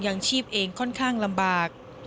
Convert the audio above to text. ยังชีพเองค่อนข้างลำบาก